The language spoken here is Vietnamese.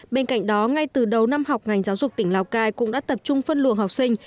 bên cạnh đó ngay từ đầu năm học ngành giáo dục tỉnh lào cai cũng đã tập trung phân luồng học sinh